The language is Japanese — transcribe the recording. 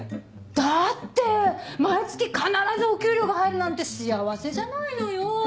だって毎月必ずお給料が入るなんて幸せじゃないのよ。